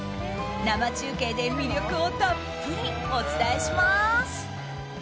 生中継で魅力をたっぷりお伝えします。